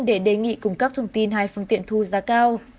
để đề nghị cung cấp thông tin hai phương tiện thu giá cao